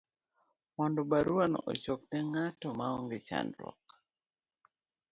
mondo baruano ochop ne ng'atno, ma onge chandruok